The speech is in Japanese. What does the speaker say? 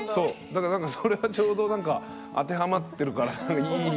だからそれがちょうど当てはまってるからいい。